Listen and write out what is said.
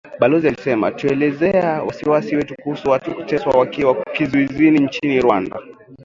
Balozi alisema, tulielezea wasiwasi wetu kuhusu watu kuteswa wakiwa kizuizini nchini Rwanda